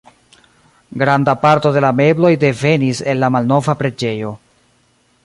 Granda parto de la mebloj devenis el la malnova preĝejo.